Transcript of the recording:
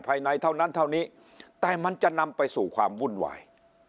ภายในเท่านั้นเท่านี้แต่มันจะนำไปสู่ความวุ่นวาย